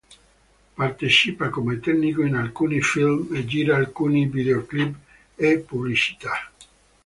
Partecipa come tecnico in alcuni film e gira alcuni videoclip e pubblicità.